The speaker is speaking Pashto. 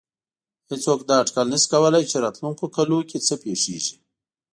هېڅوک دا اټکل نه شي کولای چې راتلونکو کلونو کې څه پېښېږي.